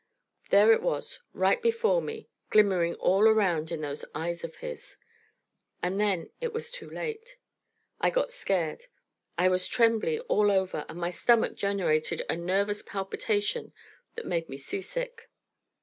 There it was, right before me, glimmering all around in those eyes of his. And then it was too late. I got scared. I was trembly all over, and my stomach generated a nervous palpitation that made me seasick.